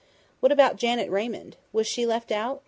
"What about Janet Raymond? Was she left out?"